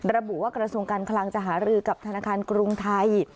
ระบุว่ากระทรวงการคลังจะหารือกับธนาคารกรุงไทย